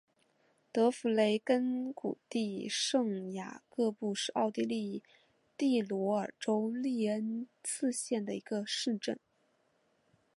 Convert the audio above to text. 德弗雷根谷地圣雅各布是奥地利蒂罗尔州利恩茨县的一个市镇。